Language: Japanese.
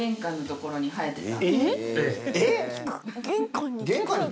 えっ？